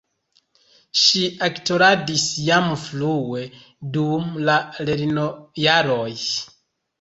Ŝi aktoradis jam frue dum la lernojaroj.